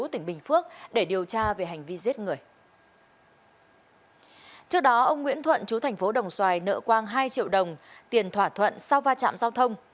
trước đó ông nguyễn thuận chú thành phố đồng xoài nợ quang hai triệu đồng tiền thỏa thuận sau va chạm giao thông